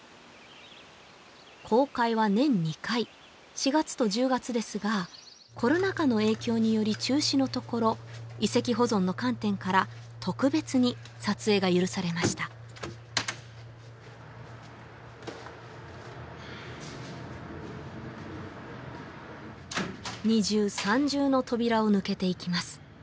公開は年２回４月と１０月ですがコロナ禍の影響により中止のところ遺跡保存の観点から特別に撮影が許されました二重三重の扉を抜けていきます